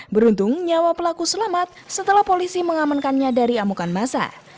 beruntung nyawa pelaku selamat setelah polisi mengamankannya dari amukan masa